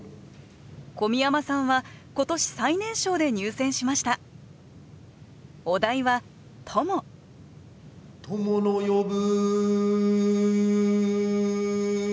小宮山さんは今年最年少で入選しました「友の呼ぶ」。